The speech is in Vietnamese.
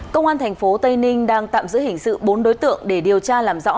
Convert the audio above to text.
công an thành phố tây ninh đang tạm giữ hình sự bốn đối tượng để điều tra làm rõ